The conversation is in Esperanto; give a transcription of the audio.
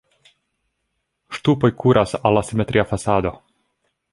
Ŝtupoj kuras al la simetria fasado.